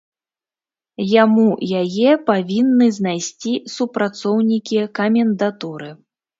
Яму яе павінны знайсці супрацоўнікі камендатуры.